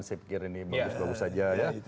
saya pikir ini bagus bagus saja ya